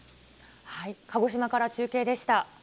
鹿児島から中継でした。